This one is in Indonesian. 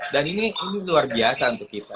dan ini luar biasa untuk kita